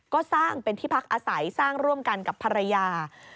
ก็สร้างเป็นที่พักอาศัยสร้างร่วมกันกับภรรยา